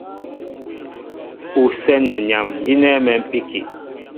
Ú sɛ́nɛ nyam gínɛ́ mɛ̌mpíki.